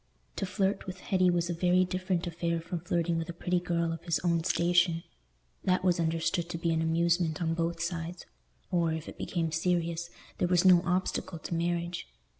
To flirt with Hetty was a very different affair from flirting with a pretty girl of his own station: that was understood to be an amusement on both sides, or, if it became serious, there was no obstacle to marriage.